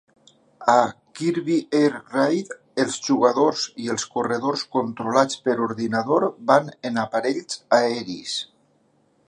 A "Kirby Air Ride", els jugadors i els corredors controlats per ordinador van en aparells aeris.